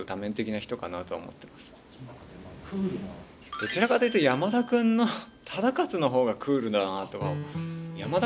どちらかというと山田君の忠勝の方がクールだなあと。